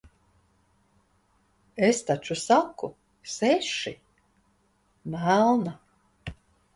Es taču saku - seši, melna.